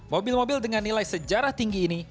mobil mobil dengan nilai sejarah tinggi ini